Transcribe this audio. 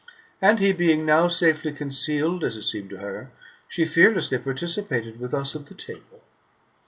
And he being now safely concealed, as it seemed to her, she fearlessly participated with us of the table.